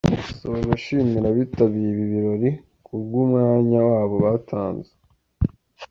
Yasoje ashimira abitabiriye ibi birori kubw'umwanya wabo batanze.